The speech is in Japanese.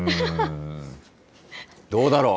どうだろう？